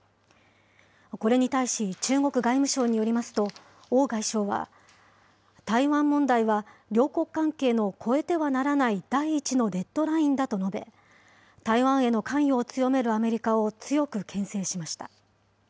これに対し、中国外務省によりますと、王外相は、台湾問題は両国関係の越えてはならない第１のレッドラインだと述べ、台湾への関与を強めるアメリカを強くけん制しました。